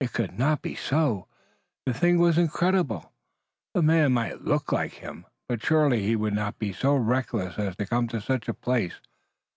It could not be so! The thing was incredible! The man might look like him, but surely he would not be so reckless as to come to such a place.